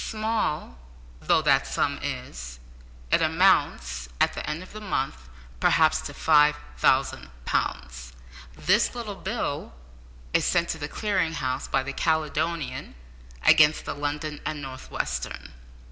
Small though that sum is, it amounts at the end of a month perhaps to 5000 pounds. This little bill is sent to the Clearing House by the Caledonian against the London and North Western.